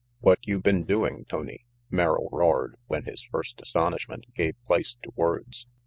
"What you been doing, Tony?" Merrill roared, when his first astonishment gave place to words.